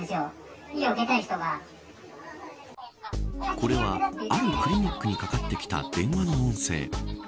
これは、あるクリニックにかかってきた電話の音声。